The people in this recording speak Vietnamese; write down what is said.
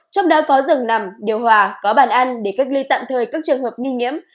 trong đó có rừng nằm điều hòa có bàn ăn để cách ly tạm thời các trường hợp nghi nhiễm